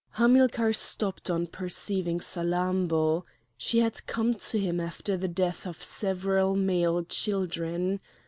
Hamilcar stopped on perceiving Salammbô. She had come to him after the death of several male children.